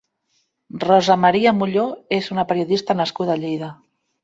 Rosa María Molló és una periodista nascuda a Lleida.